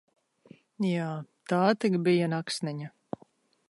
Jā, tā tik bija naksniņa!